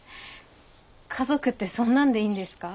家族ってそんなんでいいんですか？